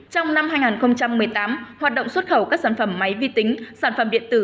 trong năm hai nghìn một mươi tám hoạt động xuất khẩu các sản phẩm máy vi tính sản phẩm điện tử